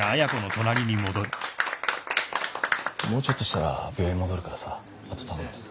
もうちょっとしたら病院戻るからさ後頼むね。